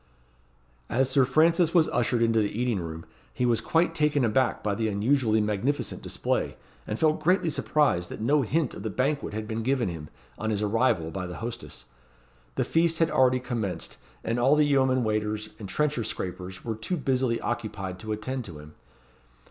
As Sir Francis was ushered into the eating room, he was quite taken aback by the unusually magnificent display, and felt greatly surprised that no hint of the banquet had been given him, on his arrival, by the hostess. The feast had already commenced; and all the yeomen waiters and trencher scrapers were too busily occupied to attend to him.